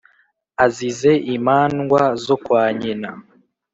azize imandwa zo kwa nyina